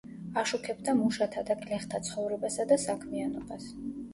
აშუქებდა მუშათა და გლეხთა ცხოვრებასა და საქმიანობას.